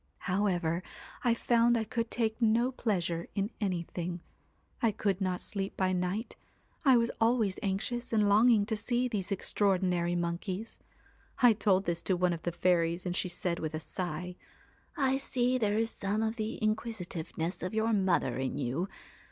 1 However, I found I could take no pleasure in anything ; I could not sleep by night, I was always anxious and longing to see these extraordinary monkeys. I told this to one of the fairies, and she said with a sigh :" I see there is some of the inquisi tiveness of your mother in you.